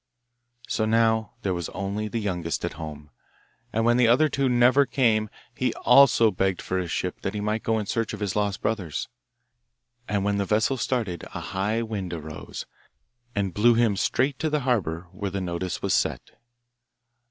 So now there was only the youngest at home, and when the other two never came he also begged for a ship that he might go in search of his lost brothers. And when the vessel started a high wind arose, and blew him straight to the harbour where the notice was set.